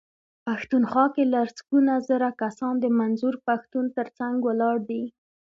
پښتونخوا کې لسګونه زره کسان د منظور پښتون ترڅنګ ولاړ دي.